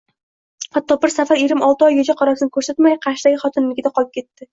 Hatto bir safar erim olti oygacha qorasini ko'rsatmay, Qarshidagi xotininikida qolib ketdi